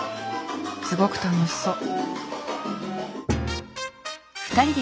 すごく楽しそう。